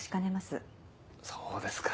そうですか。